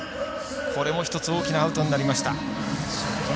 これも１つ大きなアウトになりました。